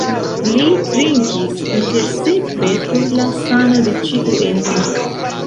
Li trinkis intersekve por la sano de ĉiu el ni.